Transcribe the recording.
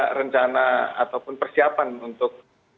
ada rencana ataupun persiapan untuk